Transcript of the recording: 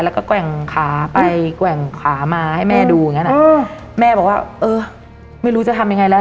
แล้วก็แกว่งขาไปแกว่งขามาให้แม่ดูแม่บอกว่าเออไม่รู้จะทำยังไงละ